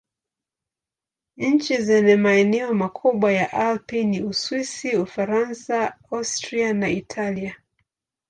Nchi zenye maeneo makubwa ya Alpi ni Uswisi, Ufaransa, Austria na Italia.